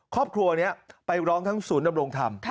ครอบครัวนี้ไปร้องทั้งศูนย์ดำรงธรรม